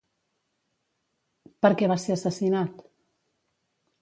Per què va ser assassinat?